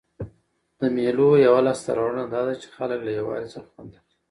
د مېلو یوه لاسته راوړنه دا ده، چي خلک له یووالي څخه خوند اخلي.